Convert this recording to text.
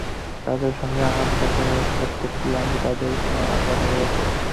যাদের সঙ্গে আমার দেখা হয়েছে প্রত্যেককেই আমি আমাদের সিনেমা সম্পর্কে বলেছি।